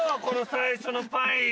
この最初のパイ。